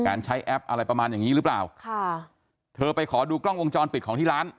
ใช้แอปอะไรประมาณอย่างงี้หรือเปล่าค่ะเธอไปขอดูกล้องวงจรปิดของที่ร้าน